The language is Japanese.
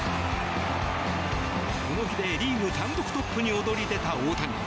この日でリーグ単独トップに躍り出た大谷。